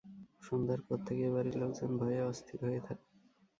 সন্ধ্যার পর থেকে এ-বাড়ির লোকজন ভয়ে অস্থির হয়ে থাকে।